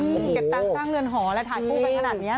โอ้โหเก็บตังค์สร้างเรือนหอละถ่ายตู่ไปขนาดเนี่ยเนอะ